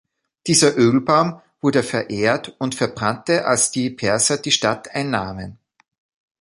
Dieser Ölbaum wurde verehrt und verbrannte, als die Perser die Stadt einnahmen.